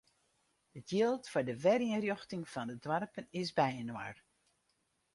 It jild foar de werynrjochting fan de doarpen is byinoar.